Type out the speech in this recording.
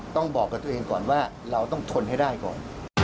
ต้องบอกกับตัวเองก่อนว่าเราต้องทนให้ได้ก่อน